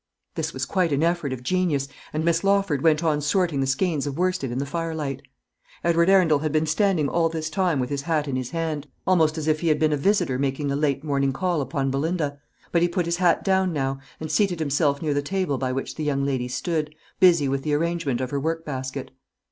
This was quite an effort of genius; and Miss Lawford went on sorting the skeins of worsted in the firelight. Edward Arundel had been standing all this time with his hat in his hand, almost as if he had been a visitor making a late morning call upon Belinda; but he put his hat down now, and seated himself near the table by which the young lady stood, busy with the arrangement of her workbasket.